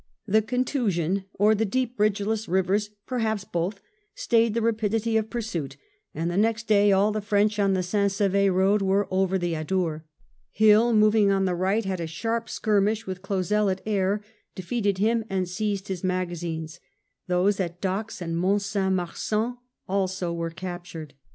The contusion, or the deep bridgeless rivers, perhaps both, stayed the rapidity of pursuit, and the next day all the French on the St. Sever road were over the Adour. Hill, moving on the right, had a smart skirmish with Clausel at Aire, defeated him and seized his magazines. Those at Dax and Mont San Marsan also were captured. .